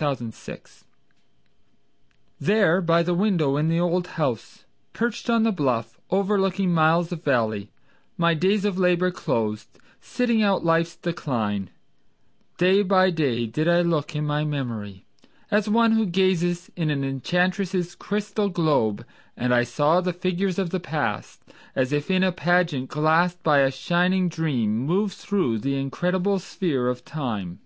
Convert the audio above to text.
Herndon There by the window in the old house Perched on the bluff, overlooking miles of valley, My days of labor closed, sitting out life's decline, Day by day did I look in my memory, As one who gazes in an enchantress' crystal globe, And I saw the figures of the past As if in a pageant glassed by a shining dream, Move through the incredible sphere of time.